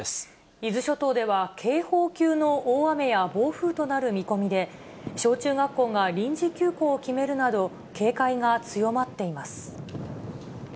伊豆諸島では、警報級の大雨や暴風となる見込みで、小中学校が臨時休校を決めるなど、警戒が強まっています。